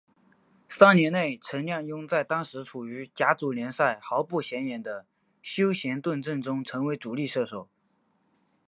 三年内陈亮镛在当时处于甲组联赛豪不显眼的修咸顿阵中成为主力射手。